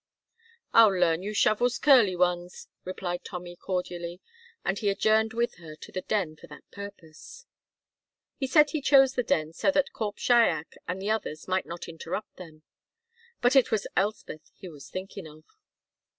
"I'll learn you Shovel's curly ones," replied Tommy, cordially, and he adjourned with her to the Den for that purpose. He said he chose the Den so that Corp Shiach and the others might not interrupt them, but it was Elspeth he was thinking of.